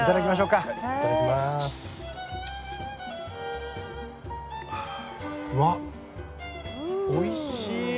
うわっおいしい！